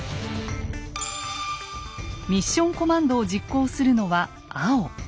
ミッション・コマンドを実行するのは青。